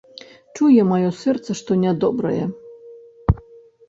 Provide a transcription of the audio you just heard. Чуе маё сэрца, што нядобрае.